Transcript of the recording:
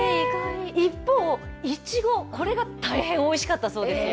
一方、いちご、これが大変おいしかったそうですよ。